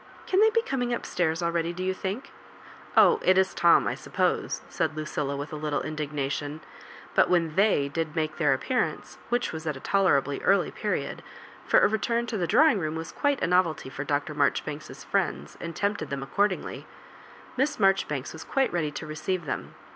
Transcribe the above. Can they be coming up stairs ah eady, do you think ? Oh, it is Tom, I suppose," said Lucilla, with a little indignation! But when T?iey did make their appearance, which was at a tolerably early period — ^for a return lo the drawing room was quite a novelty for Dr. Marjoribanks*s friends, and tempted them accordingly — ^Miss Marjori banks was quite ready to receive them.